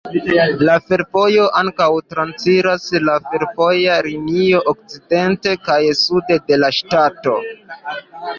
La fervojo ankaŭ transiras la fervoja linio okcidente kaj sude de la ŝtato.